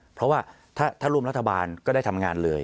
เพราะว่าถ้าร่วมรัฐบาลก็ได้ทำงานเลย